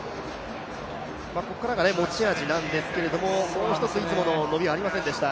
ここからが持ち味なんですけど、もうひとついつもの伸びがありませんでした。